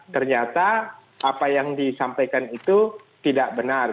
ternyata apa yang disampaikan itu tidak benar